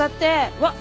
うわっ！